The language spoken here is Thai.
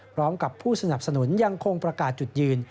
พร้อมกับผู้สนับสนุนยังคงประกาศจุดยืน